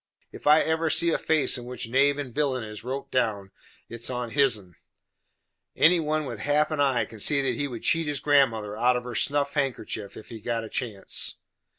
If I ever see a face in which knave and villain is wrote down, it is on hisen. Any one with half an eye can see that he would cheat his grandmother out of her snuff handkerchief, if he got a chance."